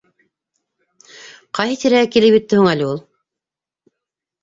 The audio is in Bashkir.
Ҡайһы тирәгә килеп етте һуң әле ул?